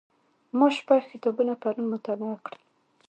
ما شپږ کتابونه پرون مطالعه کړل.